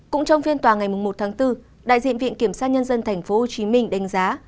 cũng trong phiên tòa ngày một tháng bốn đại diện viện kiểm sát nhân dân tp hcm đánh giá